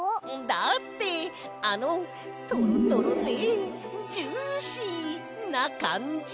だってあのトロトロでジューシーなかんじ！